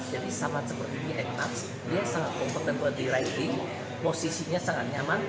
jadi sama seperti e satu dia sangat kompeten ber derail posisinya sangat nyaman